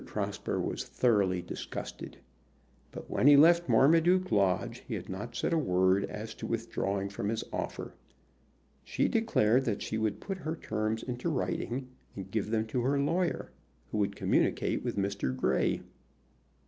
Prosper was thoroughly disgusted; but when he left Marmaduke Lodge he had not said a word as to withdrawing from his offer. She declared that she would put her terms into writing and give them to her lawyer, who would communicate with Mr. Grey.